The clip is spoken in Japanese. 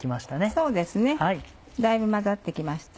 そうですねだいぶ混ざって来ました。